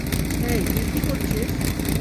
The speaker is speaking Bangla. হেই, তুই কি করছিস?